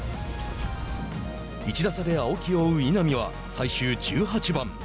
１打差で青木を追う稲見は最終１８番。